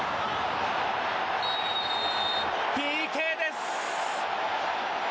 ＰＫです。